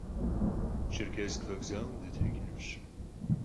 Черкесск вокзалым дытекӏынущ.